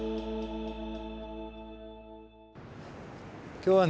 今日はね